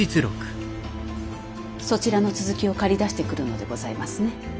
そちらの続きを借り出してくるのでございますね。